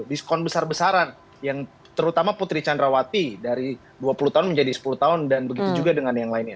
diskon besar besaran yang terutama putri candrawati dari dua puluh tahun menjadi sepuluh tahun dan begitu juga dengan yang lainnya